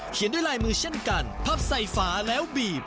ด้วยลายมือเช่นกันพับใส่ฝาแล้วบีบ